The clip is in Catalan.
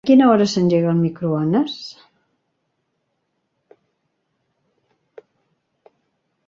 A quina hora s'engega el microones?